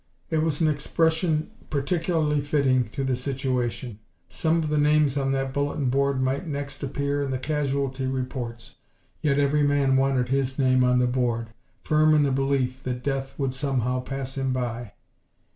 It was an expression peculiarly fitting to the situation. Some of the names on that bulletin board might next appear in the casualty reports, yet every man wanted his name on the board, firm in the belief that death would somehow pass him by.